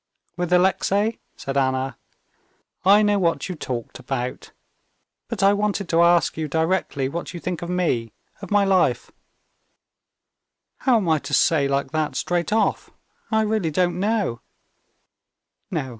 "With Alexey," said Anna, "I know what you talked about. But I wanted to ask you directly what you think of me, of my life?" "How am I to say like that straight off? I really don't know."